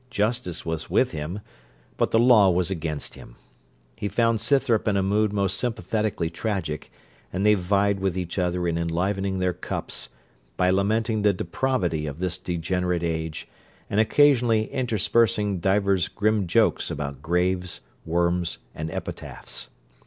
Justice was with him, but the law was against him. He found Scythrop in a mood most sympathetically tragic; and they vied with each other in enlivening their cups by lamenting the depravity of this degenerate age, and occasionally interspersing divers grim jokes about graves, worms, and epitaphs.